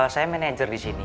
saya manajer di sini